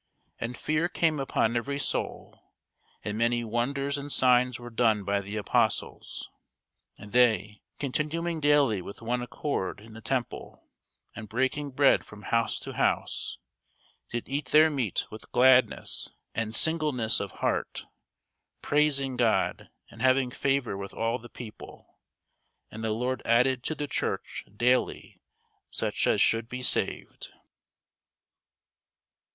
And fear came upon every soul: and many wonders and signs were done by the apostles. And they, continuing daily with one accord in the temple, and breaking bread from house to house, did eat their meat with gladness and singleness of heart, praising God, and having favour with all the people. And the Lord added to the church daily such as should be saved.